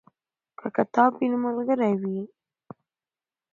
که کتاب وي نو ملګری وي.